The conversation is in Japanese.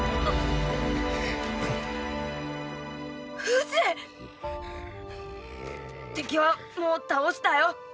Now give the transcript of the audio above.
フシ⁉敵はもう倒したよッ